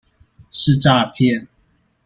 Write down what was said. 是詐騙